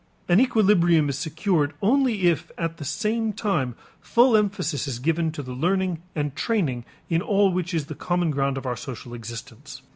An equilibrium is secured only if at the same time full emphasis is given to the learning and training in all which is the common ground of our social existence.